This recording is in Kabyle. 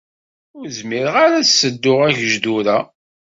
Ur zmireɣ ara ad ssedduɣ agejdur-a.